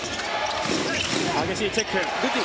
激しいチェック。